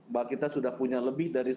bahwa kita sudah punya lebih dari